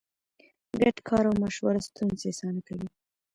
ګډ کار او مشوره ستونزې اسانه کوي.